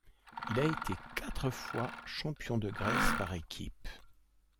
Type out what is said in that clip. Il a été quatre fois champion de Grèce par équipe.